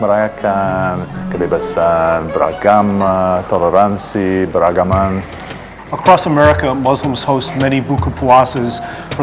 merayakan kebebasan beragama toleransi beragaman across america muslims host many buku puas is for